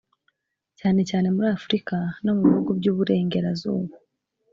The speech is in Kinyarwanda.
cyane cyane muri afurika no mu bihugu by’iburengerazuba.